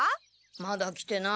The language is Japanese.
まだ来てない。